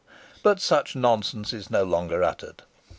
But such nonsense is no longer uttered.